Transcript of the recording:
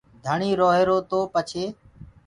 ڌڻيٚ روهيرو تو پڇي